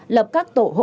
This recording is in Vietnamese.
lập các tổng thống